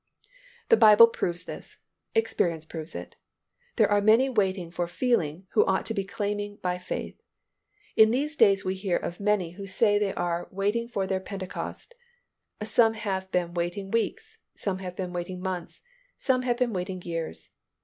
The Bible proves this; experience proves it. There are many waiting for feeling who ought to be claiming by faith. In these days we hear of many who say they are "waiting for their Pentecost"; some have been waiting weeks, some have been waiting months, some have been waiting years.